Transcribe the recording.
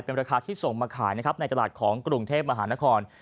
เป็นราคาที่ส่งมาขายนะครับในตลาดของกรุงเทพมหานคร